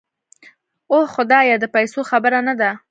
اوح خدايه د پيسو خبره نده.